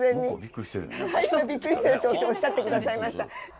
びっくりしてるっておっしゃってくださいました。